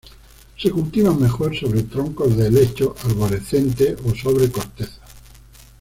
Se cultivan mejor sobre troncos de helechos arborescentes ó sobre cortezas.